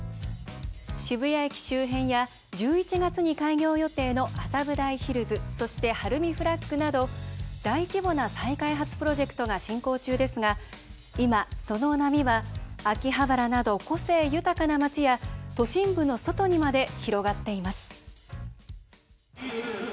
渋谷駅周辺や１１月に開業予定の麻布台ヒルズそして晴海フラッグなど大規模な再開発プロジェクトが進行中ですが今、その波は秋葉原など個性豊かな街や都心部の外にまで広がっています。